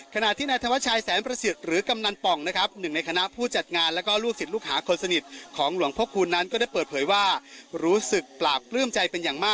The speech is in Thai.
ขณะที่นายธวัชชัยแสนประสิทธิ์หรือกำนันป่องนะครับหนึ่งในคณะผู้จัดงานแล้วก็ลูกศิษย์ลูกหาคนสนิทของหลวงพ่อคูณนั้นก็ได้เปิดเผยว่ารู้สึกปราบปลื้มใจเป็นอย่างมาก